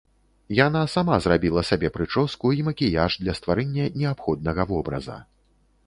Яна сама зрабіла сабе прычоску і макіяж для стварэння неабходнага вобраза.